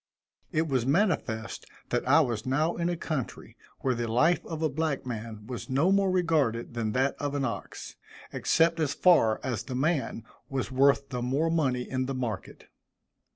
It was manifest that I was now in a country where the life of a black man was no more regarded than that of an ox, except as far as the man was worth the more money in the market.